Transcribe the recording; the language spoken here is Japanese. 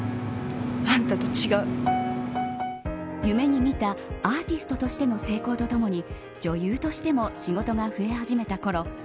夢に見たアーティストとしての成功とともに女優としても仕事が増え始めたころ